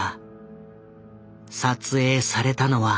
撮影されたのは。